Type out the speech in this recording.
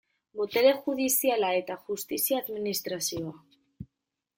Botere judiziala eta justizia administrazioa.